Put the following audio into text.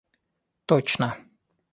точно